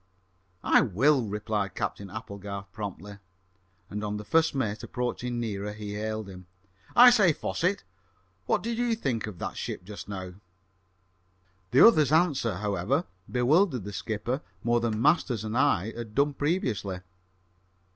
"I will," replied Captain Applegarth promptly; and on the first mate approaching nearer, he hailed him. "I say, Fosset, what did you think of that ship just now?" The other's answer, however, bewildered the skipper more than Masters and I had done previously.